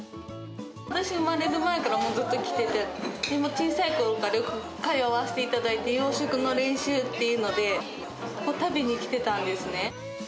私が生まれる前からもうずっと来てて、小さいころからよく通わせていただいて、洋食の練習っていうので、食べに来てたんですね。